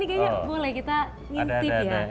ini kayaknya boleh kita ngintip ya